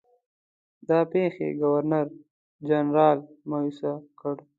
دا پیښې ګورنرجنرال مأیوس کړ.